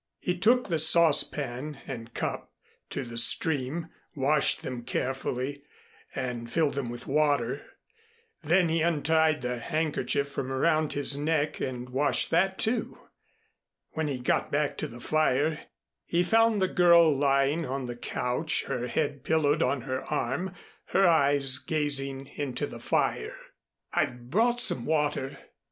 He took the saucepan and cup to the stream, washed them carefully, and filled them with water. Then he untied the handkerchief from around his neck and washed that, too. When he got back to the fire, he found the girl lying on the couch, her head pillowed on her arm, her eyes gazing into the fire. "I've brought some water.